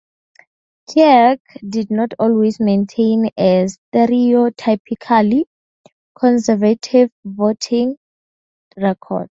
Kirk did not always maintain a stereotypically "conservative" voting record.